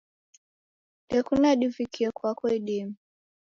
Dekunda divike kwako idime.